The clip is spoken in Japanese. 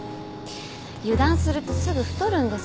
油断するとすぐ太るんです。